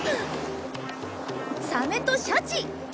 サメとシャチ。